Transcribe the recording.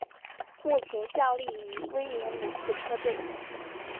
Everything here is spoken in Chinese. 目前效力于威廉姆斯车队。